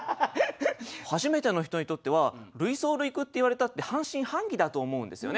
初めての人にとっては類想類句って言われたって半信半疑だと思うんですよね。